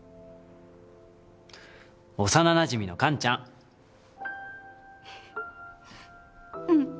幼なじみのカンちゃん。